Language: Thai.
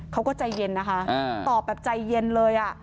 เขาก็ใจเย็นนะคะตอบแบบใจเย็นเลย